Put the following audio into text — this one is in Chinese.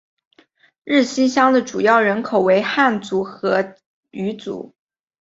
日溪乡的主要人口为汉族和畲族。